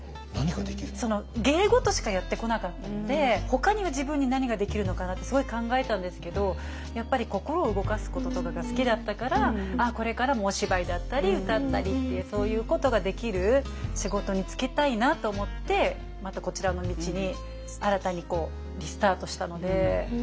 芸事しかやってこなかったのでほかには自分に何ができるのかなってすごい考えたんですけどやっぱり心を動かすこととかが好きだったからこれからもお芝居だったり歌ったりっていうそういうことができる仕事に就きたいなと思ってまたこちらの道に新たにリスタートしたので。